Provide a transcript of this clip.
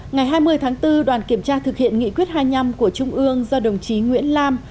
ngày hai mươi tháng bốn đoàn kiểm tra thực hiện nghị quyết hai mươi năm của trung ương do đồng chí nguyễn lam